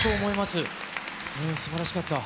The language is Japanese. すばらしかった。